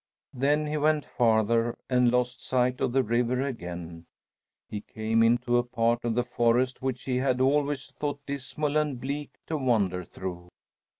Then he went farther and lost sight of the river again. He came into a part of the forest which he had always thought dismal and bleak to wander through.